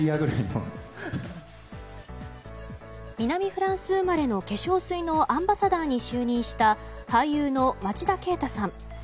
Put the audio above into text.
南フランス生まれの化粧水のアンバサダーに就任した俳優の町田啓太さん。